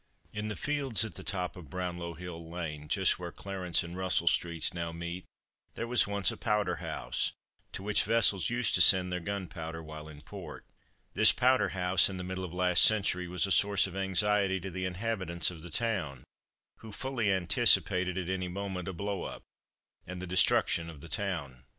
In the fields at the top of Brownlow hill lane, just where Clarence and Russell streets now meet, there was once a Powder House, to which vessels used to send their gunpowder while in port. This Powder House, in the middle of the last century, was a source of anxiety to the inhabitants of the town, who fully anticipated, at any moment, a blow up, and the destruction of the town.